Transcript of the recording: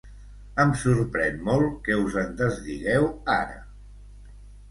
Em sorprèn molt que us en desdigueu, ara.